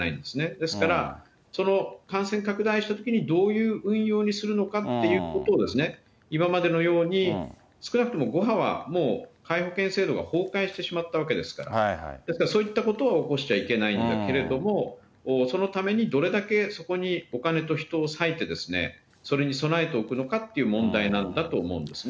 ですからその感染拡大したときにどういう運用にするのかっていうことを、今までのように、少なくとも５波はもう皆保険制度が崩壊してしまったわけですから、そういったことを起こしちゃいけないんだけれども、そのためにどれだけそこにお金と人を割いて、それに備えておくのかという問題なんだと思うんですよね。